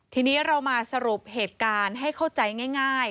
ทีนี้เรามาสรุปเหตุการณ์ให้เข้าใจง่าย